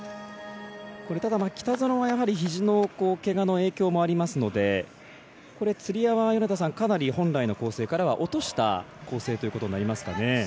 ただ、北園はひじのけがの影響もありますのでつり輪はかなり本来の構成からは落とした構成ということになりますかね。